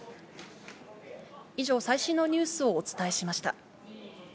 以上、最新のニュースをお伝えしました。